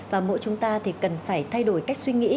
và mỗi chúng ta thì cần phải thay đổi cách suy nghĩ